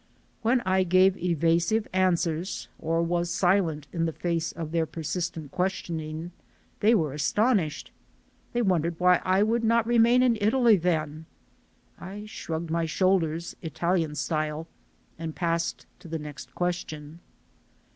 When I gave evasive answers or was silent in the face of their persistent questionings, they were astonished. They wondered why I would not remain in Italy then? I shrugged my shoulders, Italian style, and passed to the next question.